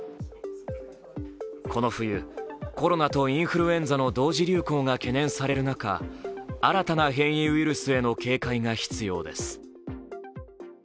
この冬、コロナとインフルエンザの同時流行が懸念される中、新たな変異ウイルスへの警戒が必要です。